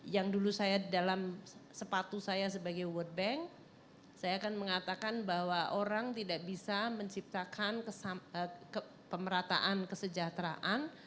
yang dulu saya dalam sepatu saya sebagai world bank saya akan mengatakan bahwa orang tidak bisa menciptakan pemerataan kesejahteraan